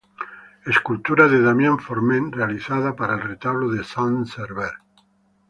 Esculturas de Damián Forment realizadas para el retablo de "Sant Server".